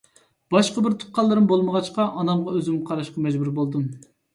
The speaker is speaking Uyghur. باشقا بىر تۇغقانلىرىم بولمىغاچقا، ئانامغا ئۆزۈم قاراشقا مەجبۇر بولدۇم.